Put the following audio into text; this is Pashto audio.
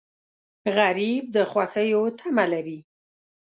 غریب د خوښیو تمه لري